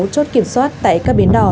sáu chốt kiểm soát tại các biến đỏ